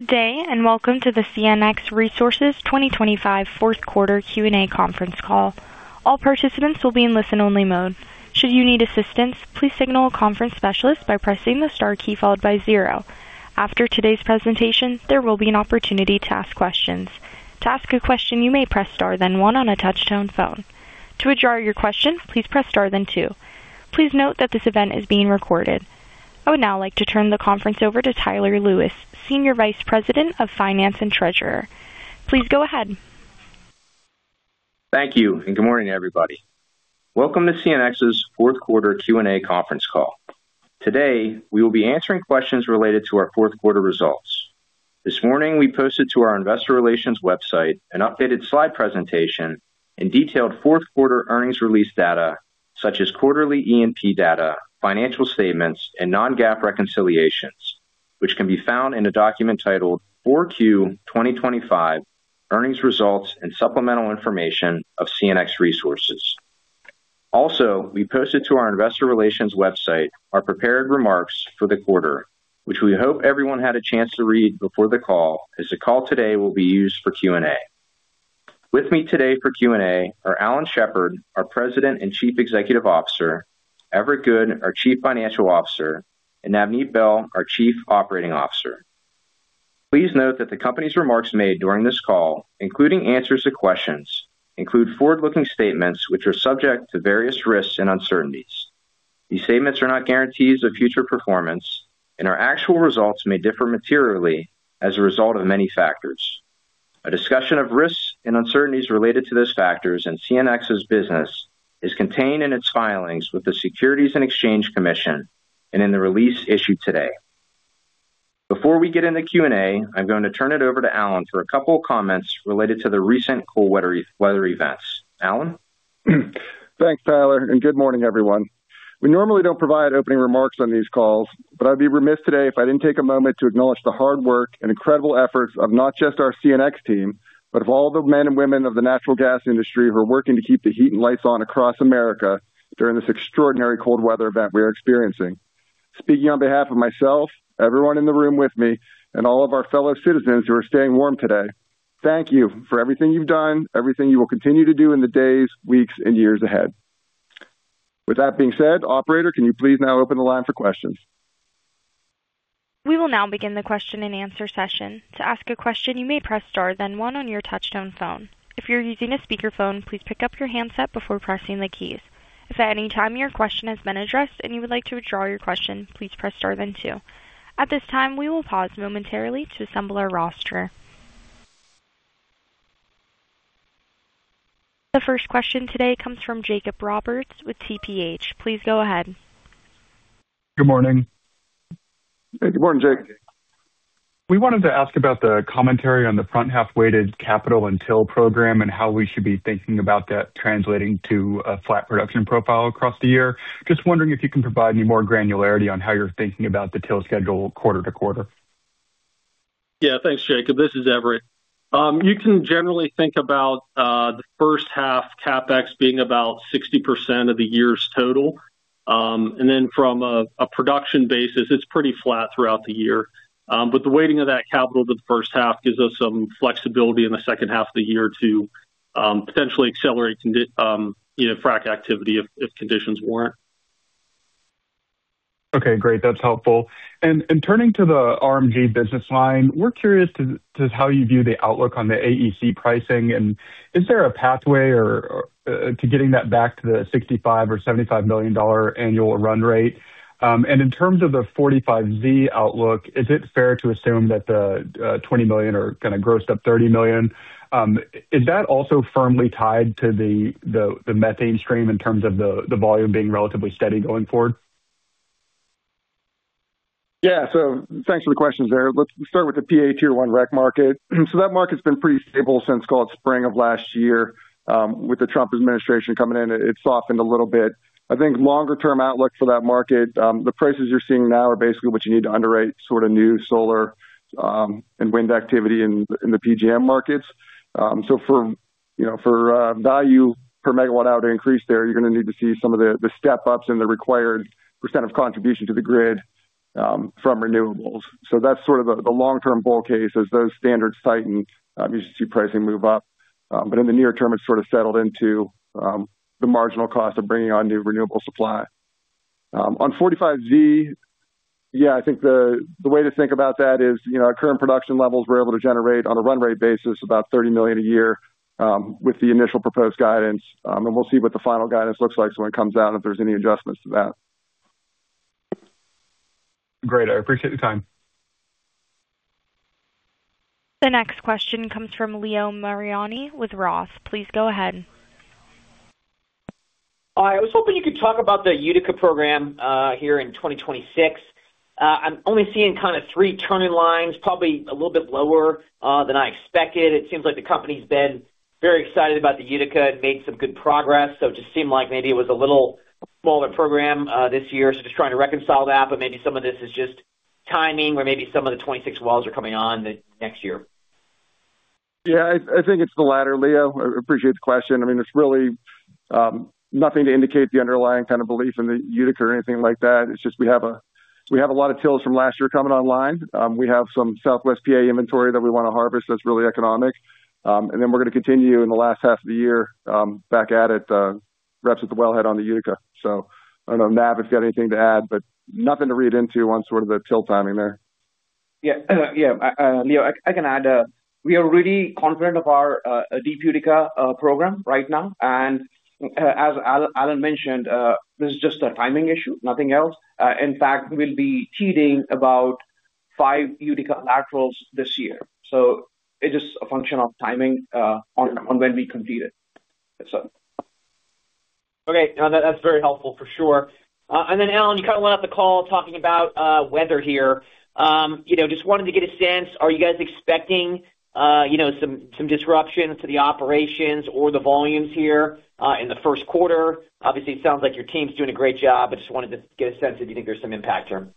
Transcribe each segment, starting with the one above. Good day and welcome to the CNX Resources 2025 fourth quarter Q&A conference call. All participants will be in listen-only mode. Should you need assistance, please signal a conference specialist by pressing the star key followed by zero. After today's presentation, there will be an opportunity to ask questions. To ask a question, you may press star, then one on a touch-tone phone. To withdraw your question, please press star, then two. Please note that this event is being recorded. I would now like to turn the conference over to Tyler Lewis, Senior Vice President of Finance and Treasurer. Please go ahead. Thank you and good morning, everybody. Welcome to CNX's fourth quarter Q&A conference call. Today, we will be answering questions related to our fourth quarter results. This morning, we posted to our Investor Relations website an updated slide presentation and detailed fourth quarter earnings release data, such as quarterly E&P data, financial statements, and non-GAAP reconciliations, which can be found in a document titled "4Q2025: Earnings Results and Supplemental Information of CNX Resources." Also, we posted to our Investor Relations website our prepared remarks for the quarter, which we hope everyone had a chance to read before the call, as the call today will be used for Q&A. With me today for Q&A are Alan Shepard, our President and Chief Executive Officer; Everett Good, our Chief Financial Officer; and Navneet Behl, our Chief Operating Officer. Please note that the company's remarks made during this call, including answers to questions, include forward-looking statements which are subject to various risks and uncertainties. These statements are not guarantees of future performance, and our actual results may differ materially as a result of many factors. A discussion of risks and uncertainties related to those factors in CNX's business is contained in its filings with the Securities and Exchange Commission and in the release issued today. Before we get into Q&A, I'm going to turn it over to Alan for a couple of comments related to the recent cold weather events. Alan? Thanks, Tyler, and good morning, everyone. We normally don't provide opening remarks on these calls, but I'd be remiss today if I didn't take a moment to acknowledge the hard work and incredible efforts of not just our CNX team, but of all the men and women of the natural gas industry who are working to keep the heat and lights on across America during this extraordinary cold weather event we are experiencing. Speaking on behalf of myself, everyone in the room with me, and all of our fellow citizens who are staying warm today, thank you for everything you've done, everything you will continue to do in the days, weeks, and years ahead. With that being said, Operator, can you please now open the line for questions? We will now begin the question and answer session. To ask a question, you may press star, then one on your touch-tone phone. If you're using a speakerphone, please pick up your handset before pressing the keys. If at any time your question has been addressed and you would like to withdraw your question, please press star, then two. At this time, we will pause momentarily to assemble our roster. The first question today comes from Jacob Roberts with TPH. Please go ahead. Good morning. Good morning, Jacob. We wanted to ask about the commentary on the front-half-weighted capital and TIL program and how we should be thinking about that translating to a flat production profile across the year. Just wondering if you can provide any more granularity on how you're thinking about the TIL schedule quarter to quarter. Yeah, thanks, Jacob. This is Everett. You can generally think about the first half CapEx being about 60% of the year's total. And then from a production basis, it's pretty flat throughout the year. But the weighting of that capital to the first half gives us some flexibility in the second half of the year to potentially accelerate frac activity if conditions warrant. Okay, great. That's helpful. And turning to the RNG business line, we're curious as to how you view the outlook on the AEC pricing, and is there a pathway to getting that back to the $65 million or $75 million annual run rate? And in terms of the 45Z outlook, is it fair to assume that the $20 million are going to gross up $30 million? Is that also firmly tied to the methane stream in terms of the volume being relatively steady going forward? Yeah, so thanks for the questions there. Let's start with the PA Tier 1 REC market. So that market's been pretty stable since, call it, spring of last year. With the Trump administration coming in, it's softened a little bit. I think longer-term outlook for that market, the prices you're seeing now are basically what you need to underwrite sort of new solar and wind activity in the PJM markets. So for value per megawatt hour to increase there, you're going to need to see some of the step-ups in the required percent of contribution to the grid from renewables. So that's sort of the long-term bull case as those standards tighten; you should see pricing move up. But in the near term, it's sort of settled into the marginal cost of bringing on new renewable supply. On 45Z, yeah, I think the way to think about that is current production levels we're able to generate on a run rate basis about $30 million a year with the initial proposed guidance. We'll see what the final guidance looks like when it comes out and if there's any adjustments to that. Great. I appreciate the time. The next question comes from Leo Mariani with Roth. Please go ahead. Hi, I was hoping you could talk about the Utica program here in 2026. I'm only seeing kind of three turn-in-lines, probably a little bit lower than I expected. It seems like the company's been very excited about the Utica and made some good progress. So it just seemed like maybe it was a little smaller program this year. So just trying to reconcile that. But maybe some of this is just timing or maybe some of the 2026 wells are coming on next year. Yeah, I think it's the latter, Leo. I appreciate the question. I mean, it's really nothing to indicate the underlying kind of belief in the Utica or anything like that. It's just we have a lot of TILs from last year coming online. We have some Southwest PA inventory that we want to harvest that's really economic. And then we're going to continue in the last half of the year back at it, fracs at the wellhead on the Utica. So I don't know if Nav has got anything to add, but nothing to read into on sort of the TIL timing there. Yeah, yeah, Leo, I can add. We are really confident of our deep Utica program right now. As Alan mentioned, this is just a timing issue, nothing else. In fact, we'll be completing about five Utica laterals this year. So it is a function of timing on when we complete it. Okay, that's very helpful for sure. And then, Alan, you kind of went on the call talking about weather here. Just wanted to get a sense, are you guys expecting some disruption to the operations or the volumes here in the first quarter? Obviously, it sounds like your team's doing a great job, but just wanted to get a sense if you think there's some impact here.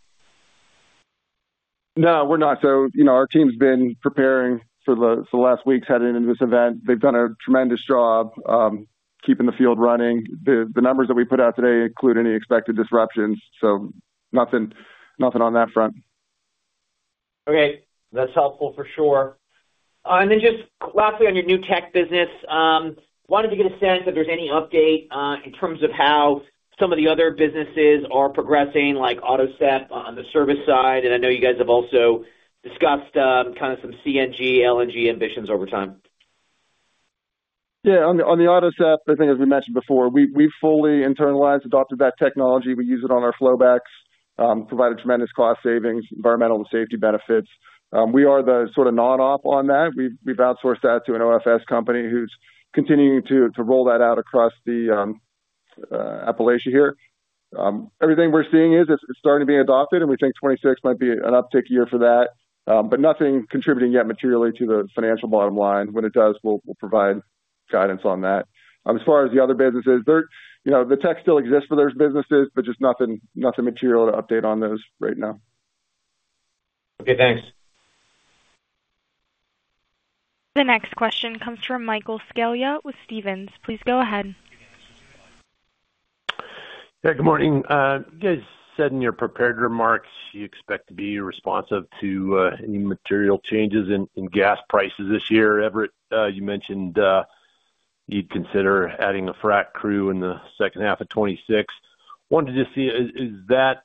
No, we're not. So our team's been preparing for the last weeks heading into this event. They've done a tremendous job keeping the field running. The numbers that we put out today include any expected disruptions. So nothing on that front. Okay, that's helpful for sure. And then just lastly on your new tech business, wanted to get a sense if there's any update in terms of how some of the other businesses are progressing, like AutoSep on the service side. And I know you guys have also discussed kind of some CNG, LNG ambitions over time. Yeah, on the AutoSep, I think, as we mentioned before, we fully internalized, adopted that technology. We use it on our flowbacks, provided tremendous cost savings, environmental and safety benefits. We are the sort of non-op on that. We've outsourced that to an OFS company who's continuing to roll that out across the Appalachia here. Everything we're seeing is it's starting to be adopted, and we think 2026 might be an uptick year for that, but nothing contributing yet materially to the financial bottom line. When it does, we'll provide guidance on that. As far as the other businesses, the tech still exists for those businesses, but just nothing material to update on those right now. Okay, thanks. The next question comes from Michael Scialla with Stephens. Please go ahead. Yeah, good morning. You guys said in your prepared remarks, you expect to be responsive to any material changes in gas prices this year. Everett, you mentioned you'd consider adding a frac crew in the second half of 2026. Wanted to just see, is that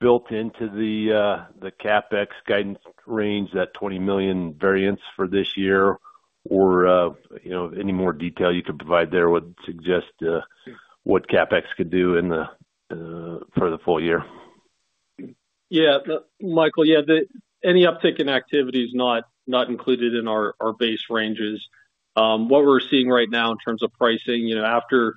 built into the CapEx guidance range, that $20 million variance for this year, or any more detail you could provide there would suggest what CapEx could do for the full year? Yeah, Michael, yeah, any uptick in activity is not included in our base ranges. What we're seeing right now in terms of pricing, after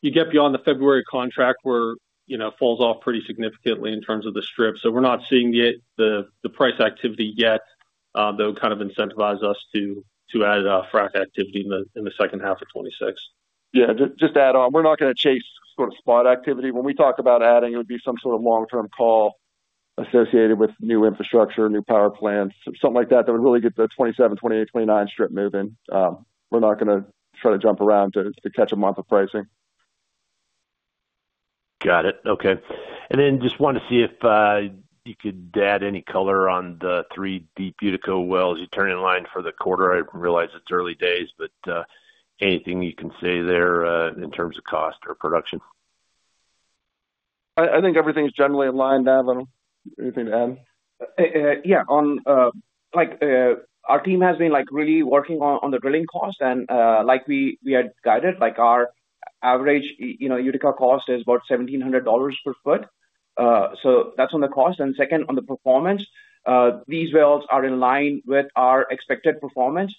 you get beyond the February contract, where it falls off pretty significantly in terms of the strips, so we're not seeing the price activity yet, though it kind of incentivizes us to add frac activity in the second half of 2026. Yeah, just to add on, we're not going to chase sort of spot activity. When we talk about adding, it would be some sort of long-term call associated with new infrastructure, new power plants, something like that that would really get the 2027, 2028, 2029 strip moving. We're not going to try to jump around to catch a month of pricing. Got it. Okay. And then just wanted to see if you could add any color on the three deep Utica wells you turn-in-line for the quarter. I realize it's early days, but anything you can say there in terms of cost or production? I think everything's generally aligned. Nav, Anything to add? Yeah, our team has been really working on the drilling cost, and like we had guided, our average Utica cost is about $1,700 per ft. So that's on the cost. And second, on the performance, these wells are in line with our expected performance.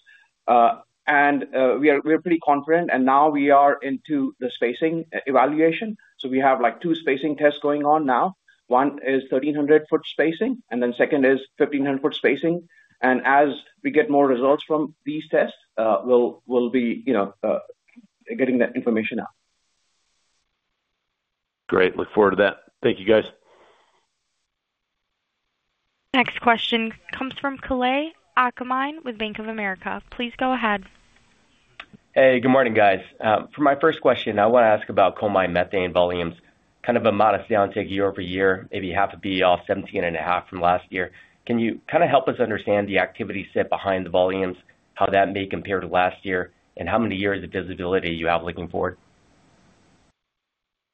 And we're pretty confident. And now we are into the spacing evaluation. So we have two spacing tests going on now. One is 1,300-foot spacing, and then second is 1,500-foot spacing. And as we get more results from these tests, we'll be getting that information out. Great. Look forward to that. Thank you, guys. Next question comes from Kalei Akamine with Bank of America. Please go ahead. Hey, good morning, guys. For my first question, I want to ask about coal mine methane volumes, kind of a modest downtick year-over-year, maybe $0.5 billion off $17.5 million from last year. Can you kind of help us understand the activity set behind the volumes, how that may compare to last year, and how many years of visibility you have looking forward?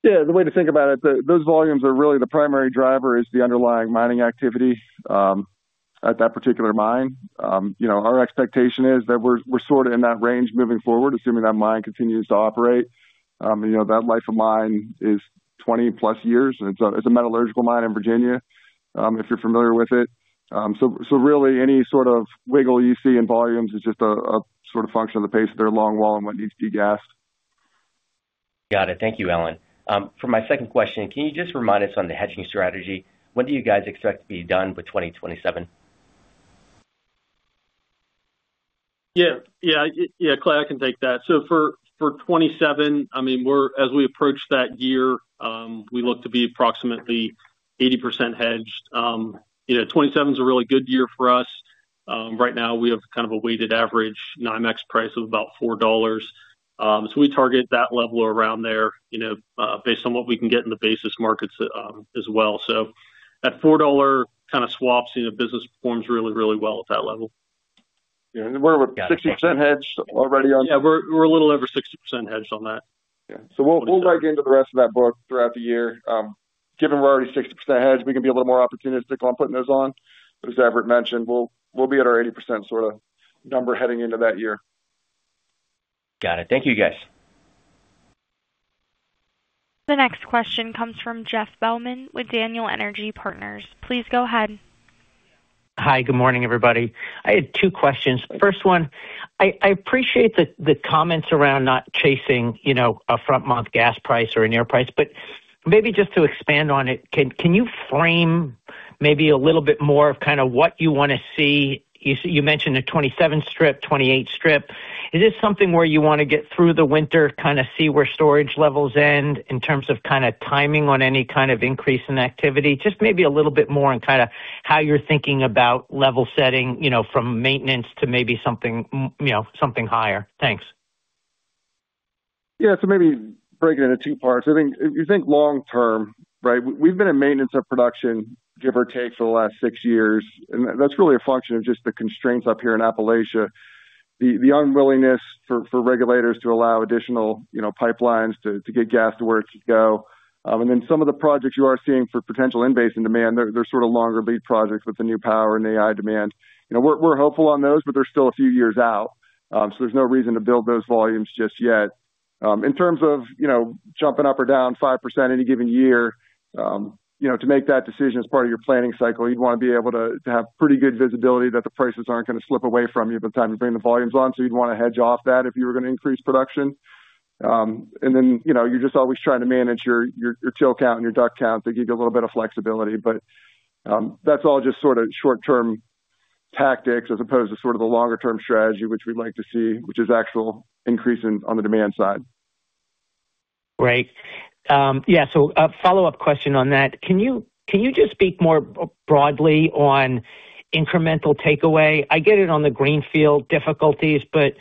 Yeah, the way to think about it, those volumes are really the primary driver is the underlying mining activity at that particular mine. Our expectation is that we're sort of in that range moving forward, assuming that mine continues to operate. That life of mine is 20+ years. It's a metallurgical mine in Virginia, if you're familiar with it. So really, any sort of wiggle you see in volumes is just a sort of function of the pace of their longwall and what needs to be gassed. Got it. Thank you, Alan. For my second question, can you just remind us on the hedging strategy? When do you guys expect to be done with 2027? Yeah, yeah, yeah, Kalei, I can take that. So for 2027, I mean, as we approach that year, we look to be approximately 80% hedged. 2027 is a really good year for us. Right now, we have kind of a weighted average NYMEX price of about $4. So we target that level around there based on what we can get in the basis markets as well. So that $4 kind of swaps in a business performs really, really well at that level. Yeah, and we're 60% hedged already on. Yeah, we're a little over 60% hedged on that. Yeah, so we'll dive into the rest of that book throughout the year. Given we're already 60% hedged, we can be a little more opportunistic on putting those on. But as Everett mentioned, we'll be at our 80% sort of number heading into that year. Got it. Thank you, guys. The next question comes from Jeff Bellman with Daniel Energy Partners. Please go ahead. Hi, good morning, everybody. I had two questions. First one, I appreciate the comments around not chasing a front-month gas price or a near price, but maybe just to expand on it, can you frame maybe a little bit more of kind of what you want to see? You mentioned a 2027 strip, 2028 strip. Is this something where you want to get through the winter, kind of see where storage levels end in terms of kind of timing on any kind of increase in activity? Just maybe a little bit more on kind of how you're thinking about level setting from maintenance to maybe something higher. Thanks. Yeah, so maybe break it into two parts. I think long term, right? We've been in maintenance of production, give or take, for the last six years. That's really a function of just the constraints up here in Appalachia, the unwillingness for regulators to allow additional pipelines to get gas to where it should go. Then some of the projects you are seeing for potential infrastructure and demand, they're sort of longer lead projects with the new power and AI demand. We're hopeful on those, but they're still a few years out. There's no reason to build those volumes just yet. In terms of jumping up or down 5% any given year, to make that decision as part of your planning cycle, you'd want to be able to have pretty good visibility that the prices aren't going to slip away from you by the time you bring the volumes on. So you'd want to hedge off that if you were going to increase production. And then you're just always trying to manage your TIL count and your DUC count to give you a little bit of flexibility. But that's all just sort of short-term tactics as opposed to sort of the longer-term strategy, which we'd like to see, which is actual increase on the demand side. Great. Yeah, so a follow-up question on that. Can you just speak more broadly on incremental takeaway? I get it on the greenfield difficulties, but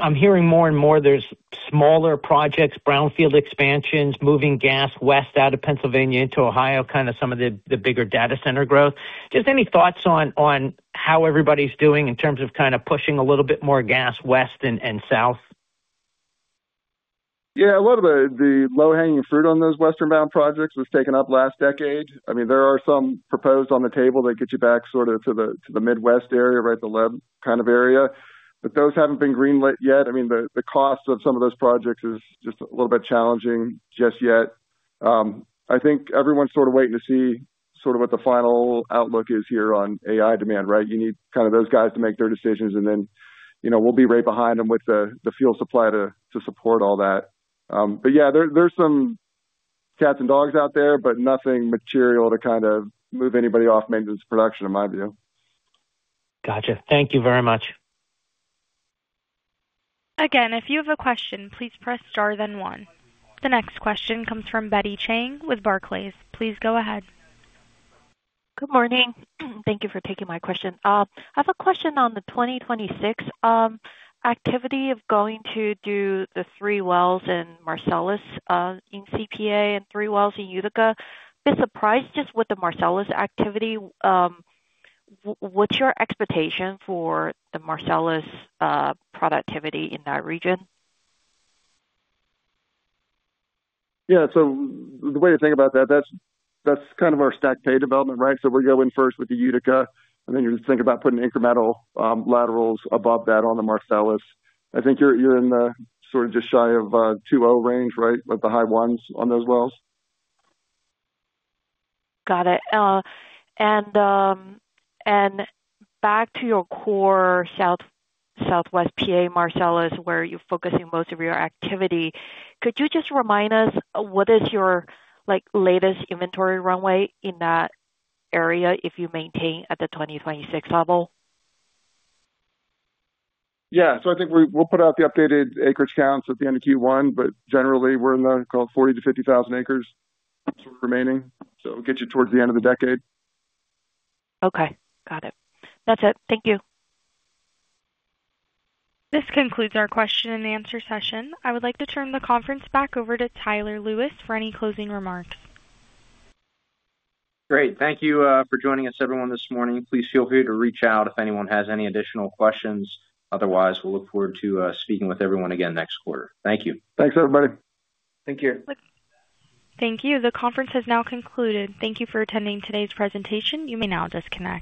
I'm hearing more and more there's smaller projects, brownfield expansions, moving gas west out of Pennsylvania into Ohio, kind of some of the bigger data center growth. Just any thoughts on how everybody's doing in terms of kind of pushing a little bit more gas west and south? Yeah, a lot of the low-hanging fruit on those western bound projects was taken up last decade. I mean, there are some proposed on the table that get you back sort of to the Midwest area, right, the Leb kind of area. But those haven't been greenlit yet. I mean, the cost of some of those projects is just a little bit challenging just yet. I think everyone's sort of waiting to see sort of what the final outlook is here on AI demand, right? You need kind of those guys to make their decisions, and then we'll be right behind them with the fuel supply to support all that. But yeah, there's some cats and dogs out there, but nothing material to kind of move anybody off maintenance production, in my view. Gotcha. Thank you very much. Again, if you have a question, please press star then one. The next question comes from Betty Jiang with Barclays. Please go ahead. Good morning. Thank you for taking my question. I have a question on the 2026 activity of going to do the three wells in Marcellus in CPA and three wells in Utica. It's a surprise just with the Marcellus activity. What's your expectation for the Marcellus productivity in that region? Yeah, so the way to think about that, that's kind of our stacked pay development, right? So we're going first with the Utica, and then you're just thinking about putting incremental laterals above that on the Marcellus. I think you're in the sort of just shy of 2.0 range, right, with the high ones on those wells. Got it. Back to your core Southwest PA Marcellus, where you're focusing most of your activity, could you just remind us what is your latest inventory runway in that area if you maintain at the 2026 level? Yeah, so I think we'll put out the updated acreage counts at the end of Q1, but generally, we're in the 40,000-50,000 acres sort of remaining. So we'll get you towards the end of the decade. Okay. Got it. That's it. Thank you. This concludes our question and answer session. I would like to turn the conference back over to Tyler Lewis for any closing remarks. Great. Thank you for joining us, everyone, this morning. Please feel free to reach out if anyone has any additional questions. Otherwise, we'll look forward to speaking with everyone again next quarter. Thank you. Thanks, everybody. Thank you. Thank you. The conference has now concluded. Thank you for attending today's presentation. You may now disconnect.